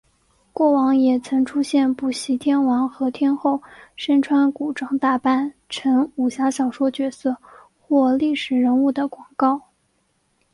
过往也曾出现补习天王和天后身穿古装打扮成武侠小说角色或历史人物的广告。